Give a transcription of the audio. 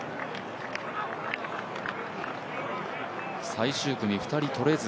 最終組、２人とれず。